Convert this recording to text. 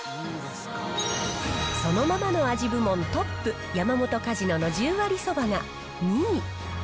そのままの味部門トップ、山本かじのの十割そばが２位。